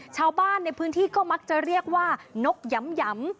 ชาวบ้านในพื้นที่ก็มักจะเรียกว่านกหยำ